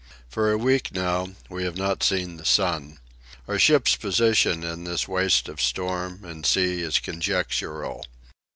For a week, now, we have not seen the sun. Our ship's position in this waste of storm and sea is conjectural.